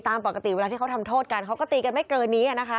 ตามปกติเวลาที่เค้าทำโทษกันเค้าก็ตีไม่เกินนี้